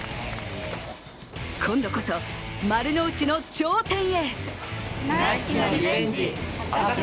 今度こそ、丸の内の頂点へ。